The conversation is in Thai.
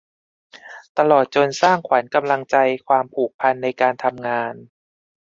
ตลอดจนสร้างขวัญกำลังใจ ความผูกพันในการทำงาน